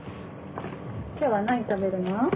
今日は何食べるの？